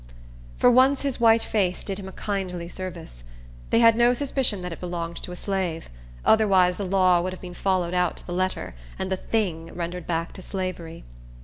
For once his white face did him a kindly service. They had no suspicion that it belonged to a slave; otherwise, the law would have been followed out to the letter, and the thing rendered back to slavery.